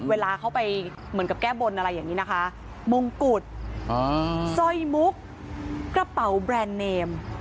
เวลาเขาไปเหมือนกับแก้บนอะไรอย่างนี้นะคะมงกุฎสร้อยมุกกระเป๋าแบรนด์เนม